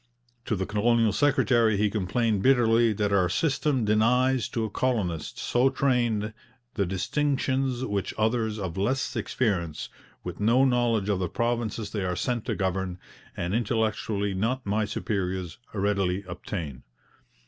To the colonial secretary he complained bitterly that 'our system denies to a colonist, so trained, the distinctions which others of less experience, with no knowledge of the provinces they are sent to govern, and intellectually not my superiors, readily obtain.'